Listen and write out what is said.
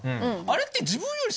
あれって。